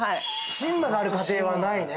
神間がある家庭はないね。